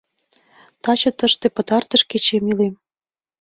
Таче тыште пытартыш кечым илем.